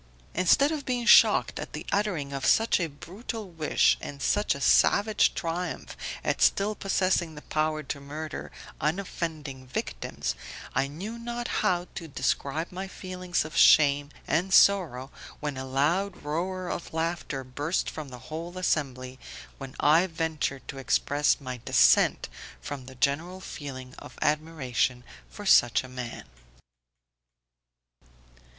Instead of being shocked at the uttering of such a brutal wish, and such a savage triumph at still possessing the power to murder unoffending victims, I knew not how to describe my feelings of shame and sorrow when a loud roar of laughter burst from the whole assembly, when I ventured to express my dissent from the general feeling of admiration for such a man.